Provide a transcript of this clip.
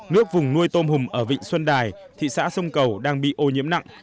nước vùng nuôi tôm hùm ở vịnh xuân đài thị xã sông cầu đang bị ô nhiễm nặng